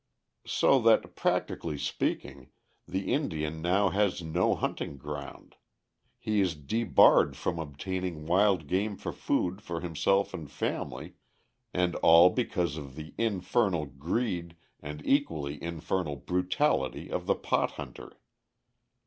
So that, practically speaking, the Indian now has no hunting ground; he is debarred from obtaining wild game for food for himself and family, and all because of the infernal greed and equally infernal brutality of the pot hunter.